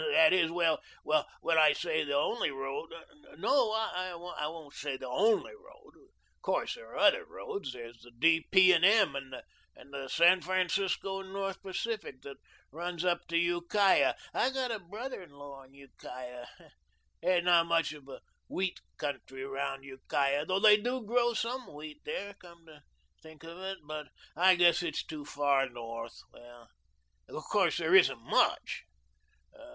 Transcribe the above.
That is well, when I say the only road no, I won't say the ONLY road. Of course there are other roads. There's the D. P. and M. and the San Francisco and North Pacific, that runs up to Ukiah. I got a brother in law in Ukiah. That's not much of a wheat country round Ukiah though they DO grow SOME wheat there, come to think. But I guess it's too far north. Well, of course there isn't MUCH.